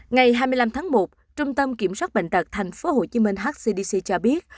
ngày hai mươi năm tháng một trung tâm kiểm soát bệnh tật tp hcm hcdc cho biết